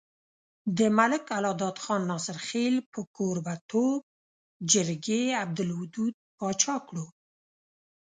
د ملک الله داد خان ناصرخېل په کوربه توب جرګې عبدالودو باچا کړو۔